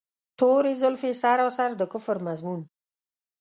توري زلفې سراسر د کفر مضمون.